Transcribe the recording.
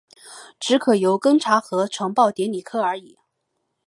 只可由庚查核呈报典礼科而已。